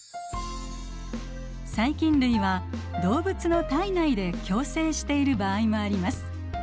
細菌類は動物の体内で共生している場合もあります。